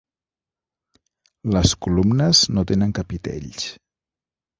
Les columnes no tenen capitells.